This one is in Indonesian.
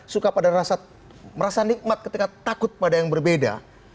suka pada merasa nikmat ketika takut pada yang berbeda